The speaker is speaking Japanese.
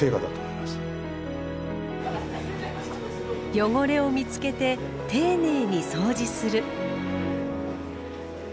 汚れを見つけて丁寧にそうじする。